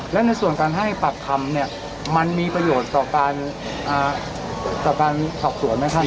และในส่วนการให้ปากคำเนี่ยมันมีประโยชน์ต่อการต่อการสอบสวนไหมครับ